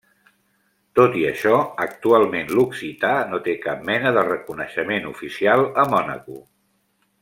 Tot i això, actualment l'occità no té cap mena de reconeixement oficial a Mònaco.